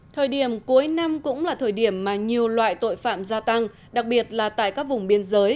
thời điểm cuối năm cũng là thời điểm mà nhiều loại tội phạm gia tăng đặc biệt là tại các vùng biên giới